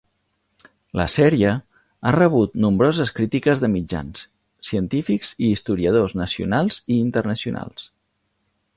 La sèrie ha rebut nombroses crítiques de mitjans, científics i historiadors nacionals i internacionals.